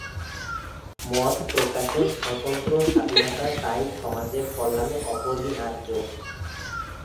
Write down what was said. মত প্রকাশের স্বতন্ত্র স্বাধীনতা তাই সমাজের কল্যাণে অপরিহার্য।